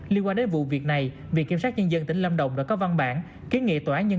liên quan đến vụ việc này viện kiểm sát nhân dân tỉnh lâm đồng đã có văn bản kiến nghị tòa án nhân